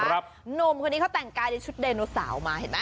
หนุ่มคนอี้เขาแต่งกายในชุดเดนโนเซา